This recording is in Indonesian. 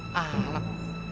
ah tuh alat